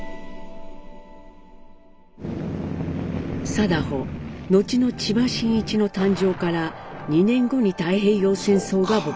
禎穗後の千葉真一の誕生から２年後に太平洋戦争が勃発。